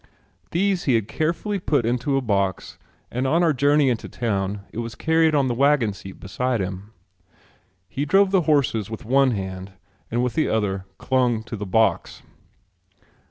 These he had carefully put into a box and on our journey into town it was carried on the wagon seat beside him. He drove the horses with one hand and with the other clung to the box.